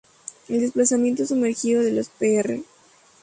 El desplazamiento sumergido de los Pr.